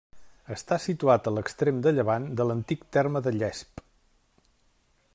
Està situat a l'extrem de llevant de l'antic terme de Llesp.